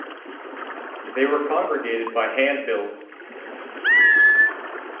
They were congregated by handbills.